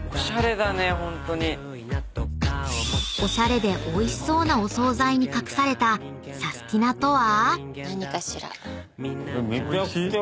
［おしゃれでおいしそうなお惣菜に隠されたサスティな！とは？］